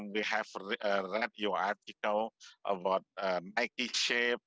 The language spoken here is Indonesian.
basket komponen grup pendapatan yang tinggi